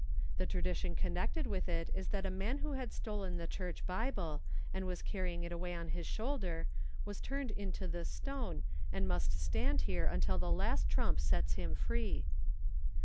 The tradition connected with it is that a man who had stolen the church Bible, and was carrying it away on his shoulder, was turned into this stone, and must stand here till the last trump sets him free.